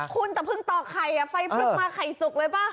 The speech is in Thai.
คุณแต่เพิ่งต่อไข่ไฟพลุกมาไข่สุกเลยป่ะ